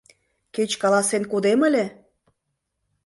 Кеч каласен кодем ыле!